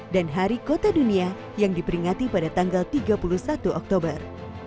dan hari kota dunia yang diperingati pada tanggal tiga puluh satu oktober